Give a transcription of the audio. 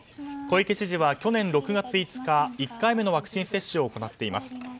小池知事は去年６月５日１回目のワクチン接種を行っています。